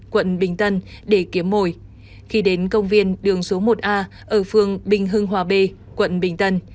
quận bình tân để kiếm mồi khi đến công viên đường số một a ở phường bình hưng hòa b quận bình tân